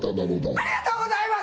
ありがとうございます！